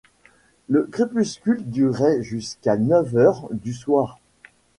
Le crépuscule durait jusqu’à neuf heures du soir.